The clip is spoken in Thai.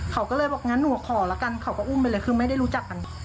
เขาก็เลยบอกงั้นหนูขอละกันเขาก็อุ้มไปเลยคือไม่ได้รู้จักกัน